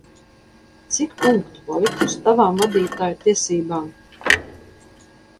Cik punktu palika uz tavām vadītāja tiesībām?